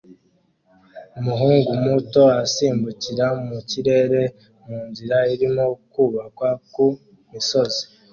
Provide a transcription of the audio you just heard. Umuhungu muto asimbukira mu kirere munzira irimo kubakwa ku misozi